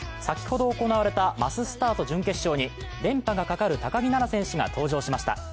先ほど行われたマススタート準決勝に連覇がかかる高木菜那選手が登場しました。